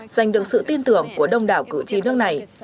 giành được sự tin tưởng của đông đảo cử tri nước này